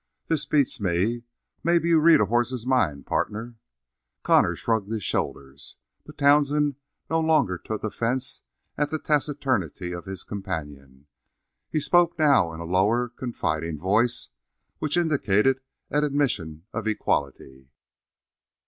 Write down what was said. "This beats me. Maybe you read a hoss's mind, partner?" Connor shrugged his shoulders, but Townsend no longer took offense at the taciturnity of his companion; he spoke now in a lower confiding voice which indicated an admission of equality.